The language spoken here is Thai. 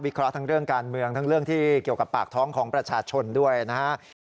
เคราะห์ทั้งเรื่องการเมืองทั้งเรื่องที่เกี่ยวกับปากท้องของประชาชนด้วยนะครับ